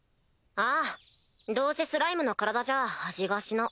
ああどうせスライムの体じゃ味がしな。